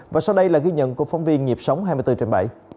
và sau đây là ghi nhận của phóng viên nhịp sống hai mươi bốn trên bảy